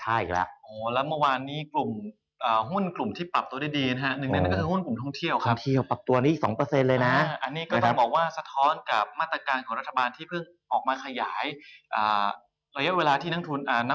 ให้มาอยู่ในไทยได้นานขึ้น